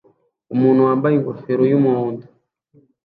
Umuntu wambaye ingofero y'umuhondo